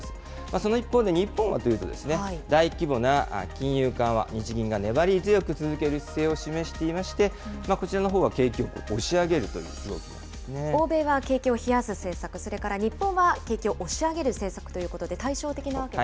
その一方で、日本はというとですね、大規模な金融緩和、日銀が粘り強く進める姿勢を示していまして、こちらのほうは景気、押し上欧米が景気を冷やす政策、それから日本は景気を押し上げる政策ということで、対照的なんです